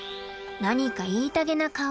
何か言いたげな顔。